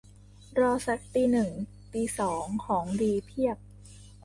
รอซักตีหนึ่งตีสอง ของดีเพียบ